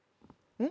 うん？